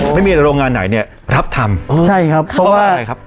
ไม่มีโรงงานไหนเนี่ยรับทำอ๋อใช่ครับเพราะว่าอะไรครับ